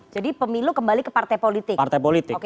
jadi pemilu kembali ke partai politik